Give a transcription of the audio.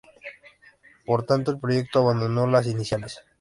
Por tanto, el proyecto abandonó las iniciales.